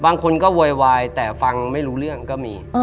บางคนก็โวยวายแต่ฟังไม่รู้เรื่องก็มี